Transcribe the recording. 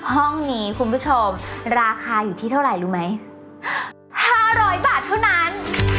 ห้องนี้คุณผู้ชมราคาอยู่ที่เท่าไหร่รู้ไหม๕๐๐บาทเท่านั้น